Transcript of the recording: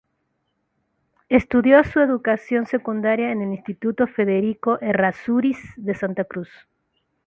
Estudió su educación secundaria en el Instituto Federico Errázuriz de Santa Cruz.